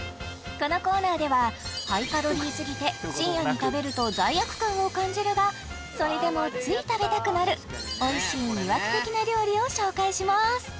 このコーナーではハイカロリーすぎて深夜に食べると罪悪感を感じるがそれでもつい食べたくなる美味しい魅惑的な料理を紹介します